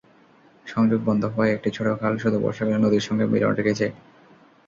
সংযোগ বন্ধ হওয়ায় একটি ছোট খাল শুধু বর্ষাকালে নদীর সঙ্গে মিলন রেখেছে।